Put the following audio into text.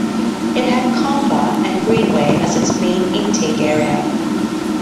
It had Kambah and Greenway as its main intake area.